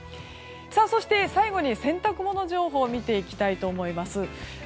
そして最後に洗濯物情報を見ていきたいと思います。